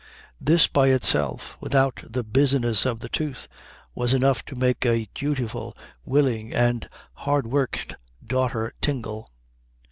This by itself, without the business of the tooth, was enough to make a dutiful, willing, and hardworked daughter tingle.